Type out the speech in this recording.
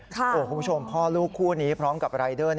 คุณผู้ชมพ่อลูกคู่นี้พร้อมกับรายเดอร์